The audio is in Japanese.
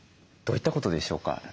どういったことでしょうか？